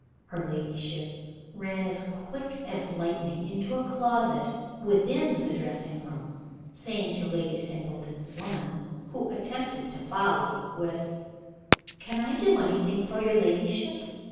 Her ladyship ran as quick as lightning into a closet within the dressing room, saying to Lady Singleton's woman, who attempted to follow with "Can I do any thing for your ladyship?"